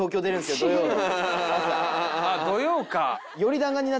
あっ土曜か。